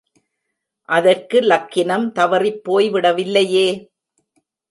அதற்கு லக்கினம் தவறிப் போய்விடவில்லையே!